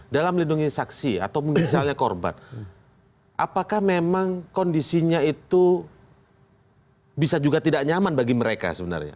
dalam melindungi saksi atau misalnya korban apakah memang kondisinya itu bisa juga tidak nyaman bagi mereka sebenarnya